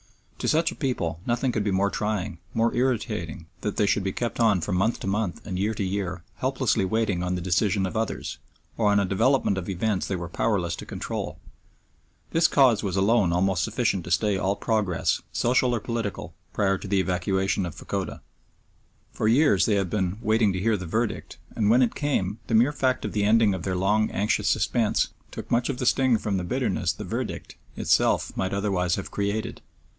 To such a people nothing could be more trying, more irritating than that they should be kept on from month to month and year to year helplessly waiting on the decision of others, or on a development of events they were powerless to control. This cause was alone almost sufficient to stay all progress, social or political, prior to the evacuation of Fachoda. For years they had been "waiting to hear the verdict," and when it came, the mere fact of the ending of their long, anxious suspense, took much of the sting from the bitterness the verdict itself might otherwise have created.